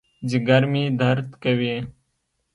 ځېګر مې درد کوي